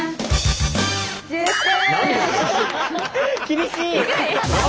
厳しい！